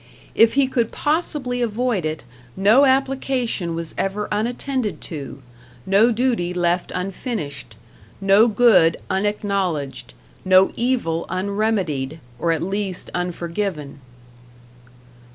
If he could possibly avoid it, no application was ever unattended to; no duty left unfinished; no good unacknowledged; no evil unremedied, or at least unforgiven.